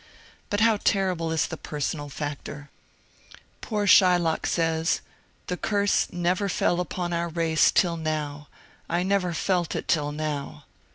But how terrible is the personal factor ! Poor Shylock says :" The curse never fell upon our race till now ; I never felt it till now."